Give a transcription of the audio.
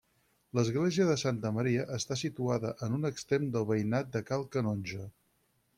L'església de Santa Maria està situada en un extrem del veïnat de Cal Canonge.